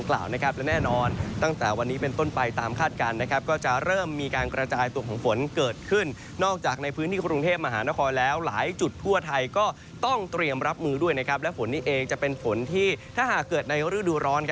และฝนนี้เองจะเป็นฝนที่ถ้าเกิดในฤดูร้อน